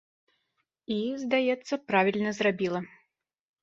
І, здаецца, правільна зрабіла.